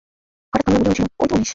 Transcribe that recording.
হঠাৎ কমলা বলিয়া উঠিল, ঐ তো উমেশ!